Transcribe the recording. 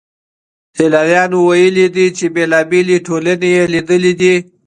سيلانيانو ويلي دي چي بېلابېلې ټولني يې ليدلې دي.